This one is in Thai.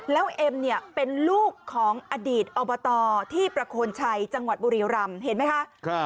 แล้วเอ็มเนี่ยเป็นลูกของอดีตอบตที่ประโคนชัยจังหวัดบุรีรำเห็นไหมคะ